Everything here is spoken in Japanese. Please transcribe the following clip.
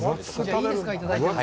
いいですか、いただいても。